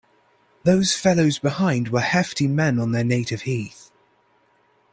Those fellows behind were hefty men on their native heath.